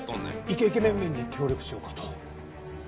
イケイケメンメンに協力しようかと。